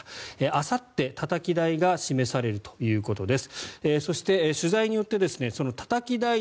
あさって、たたき台が示されるということです。